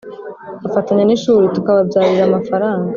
bafatanya n’ishuri tukababyarira amafaranga